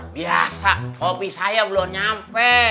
biasa hobi saya belum nyampe